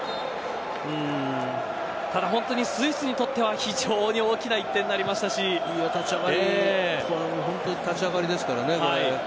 ただ本当にスイスにとっては非常に大きな１点になりましたし本当に立ち上がりですからね。